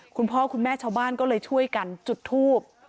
คุณพ่อคุณแม่ชาวบ้านก็เลยช่วยกันจุดทูบ